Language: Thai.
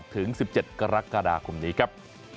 ถึง๑๗กรกฎาคมนี้ครับ